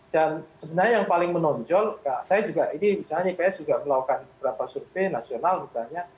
dan sebenarnya yang paling menonjol saya juga ini misalnya ips juga melakukan beberapa survei nasional misalnya